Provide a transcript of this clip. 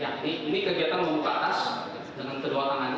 ya ini kegiatan membuka atas dengan kedua tangannya